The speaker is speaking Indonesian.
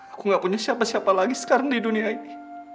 aku gak punya siapa siapa lagi sekarang di dunia ini